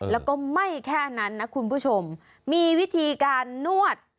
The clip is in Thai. แล้วก็ไม่แค่นั้นนะคุณผู้ชมมีวิธีการนวด